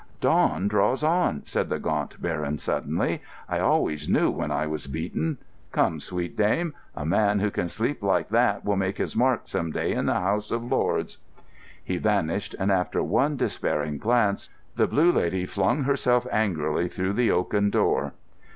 "Dawn draws on," said the Gaunt Baron suddenly. "I always knew when I was beaten. Come, sweet dame. A man who can sleep like that will make his mark some day in the House of Lords." He vanished, and, after one despairing glance, the Blue Lady flung herself angrily through the oaken door.